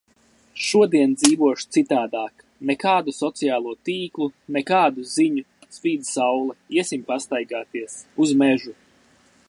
Šodien dzīvošu citādāk. Nekādu sociālo tīklu, nekādu ziņu! Spīd saule, iesim pastaigāties. Uz mežu.